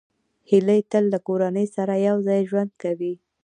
هیلۍ تل له کورنۍ سره یوځای ژوند کوي